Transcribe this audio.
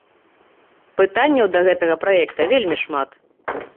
Пытанняў да гэтага праекта вельмі шмат.